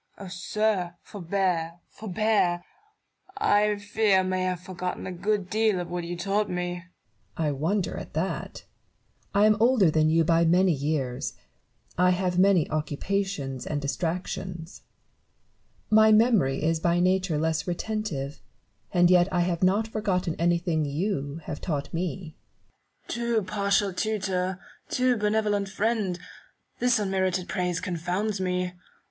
Nev^ton. Oh, sir ! forbear, forbear ! I fear I may have forgotten a good deal of what you taught me. Barrow. I wonder at that. I am older than you by many years ; I have many occupations and distractions ; i88 IMA GINAR Y CONVERSA TIONS. my memory is by nature less retentive : and yet I have not forgotten anything you taught me. Newton. Too partial tutor, too benevolent friend ! this unmerited praise confounds me.